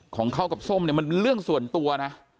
ของเขากับส้มเนี่ยมันเป็นเรื่องส่วนตัวนะ